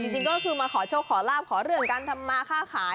จริงก็คือมาขอโชคขอลาบขอเรื่องการทำมาค่าขาย